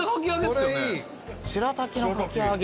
しらたきのかき揚げ。